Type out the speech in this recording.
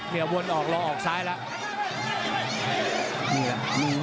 แถนใจสีฟัง